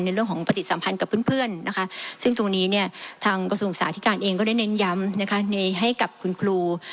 ในเรื่องของปฏิสัมพันธ์กับเพื่อนซึ่งตรงนี้ทางกษัตริย์หนุ่งศาสตร์ที่การเองก็ได้เน้นย้ำให้กับคุณครู